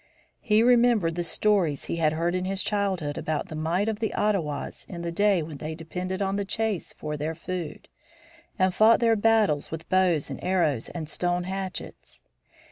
He remembered the stories he had heard in his childhood about the might of the Ottawas in the days when they depended on the chase for their food, and fought their battles with bows and arrows and stone hatchets.